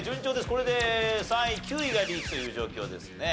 これで３位９位がリーチという状況ですね。